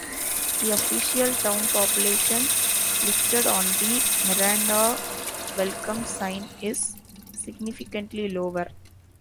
The official town population listed on the Miranda welcome sign is significantly lower.